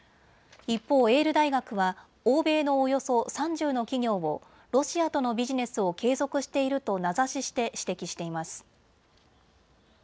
一方、エール大学は欧米のおよそ３０の企業をロシアとのビジネスを継続していると名指しして指摘しています。